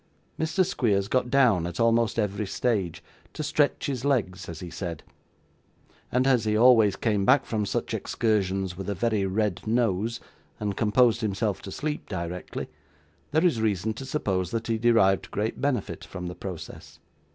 Mr. Squeers got down at almost every stage to stretch his legs as he said and as he always came back from such excursions with a very red nose, and composed himself to sleep directly, there is reason to suppose that he derived great benefit from the process.